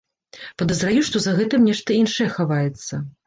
Падазраю, што за гэтым нешта іншае хаваецца.